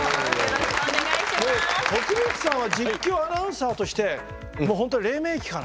徳光さんは実況アナウンサーとして本当黎明期から。